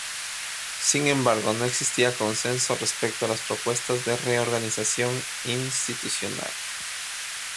Sin embargo no existía consenso respecto a las propuestas de reorganización institucional.